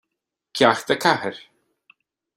Ceacht a Ceathair